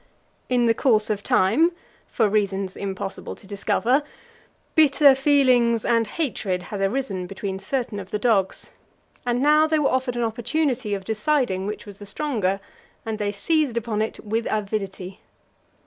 In the course of time for reasons impossible to discover bitter feelings and hatred had arisen between certain of the dogs, and now they were offered an opportunity of deciding which was the stronger, and they seized upon it with avidity.